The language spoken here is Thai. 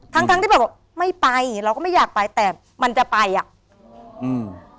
ทั้งทั้งที่แบบว่าไม่ไปเราก็ไม่อยากไปแต่มันจะไปอ่ะอืม